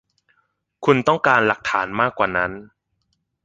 คุณต้องการหลักฐานมากว่านั้น